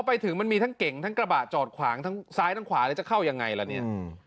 ไปถึงมันมีทั้งเก่งทั้งกระบะจอดขวางทั้งซ้ายทั้งขวาแล้วจะเข้ายังไงล่ะเนี่ย